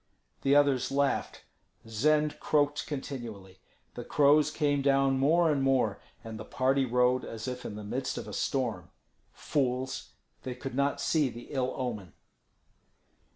The others laughed. Zend croaked continually. The crows came down more and more, and the party rode as if in the midst of a storm. Fools! they could not see the ill omen.